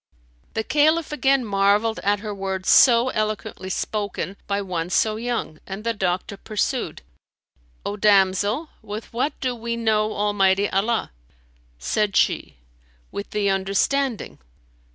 The Caliph again marvelled at her words so eloquently spoken by one so young; and the doctor pursued, "O damsel, with what do we know Almighty Allah?" Said she, "With the understanding."